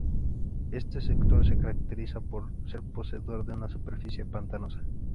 Este sector se caracteriza por ser poseedor de una superficie pantanosa.